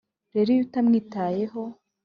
Rero iyo utamwitayeho